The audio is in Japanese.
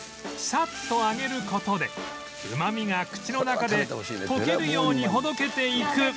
サッと揚げる事でうまみが口の中で溶けるようにほどけていく